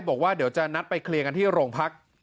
บอกว่าเดี๋ยวจะนัดไปเคลียร์กันที่โรงพัก